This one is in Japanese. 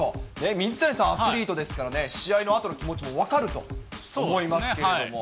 水谷さん、アスリートですからね、試合のあとの気持ちも分かると思いますけれども。